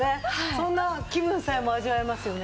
そんな気分さえも味わえますよね。